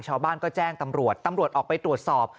ชาวบ้านก็แจ้งตำรวจตำรวจออกไปตรวจสอบ